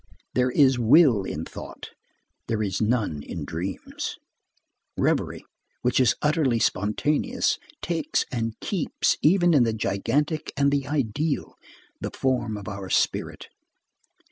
There is will in thought, there is none in dreams. Reverie, which is utterly spontaneous, takes and keeps, even in the gigantic and the ideal, the form of our spirit.